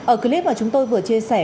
ở clip mà chúng tôi vừa chia sẻ